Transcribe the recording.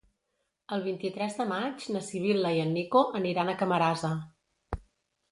El vint-i-tres de maig na Sibil·la i en Nico aniran a Camarasa.